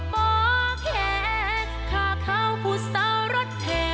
โปรดติดตามตอนต่อไป